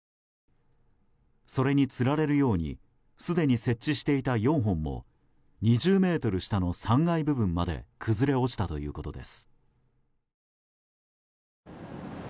それにつられるようにすでに設置していた４本も２０ｍ下の３階部分まで崩れ落ちたということです。